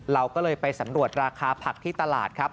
เราก็เลยไปสำรวจราคาผักที่ตลาดครับ